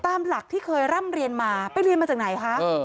ตามหลักที่เคยร่ำเรียนมาไปเรียนมาจากไหนคะ